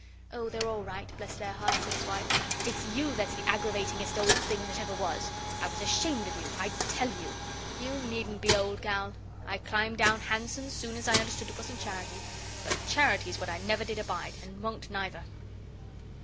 "Oh, they're all right, bless their hearts," said his wife; "it's you that's the aggravatingest old thing that ever was. I was ashamed of you I tell you " "You didn't need to be, old gal. I climbed down handsome soon as I understood it wasn't charity. But charity's what I never did abide, and won't neither."